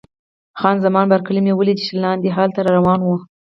خان زمان بارکلي مې ولیده چې لاندې هال ته را روانه وه.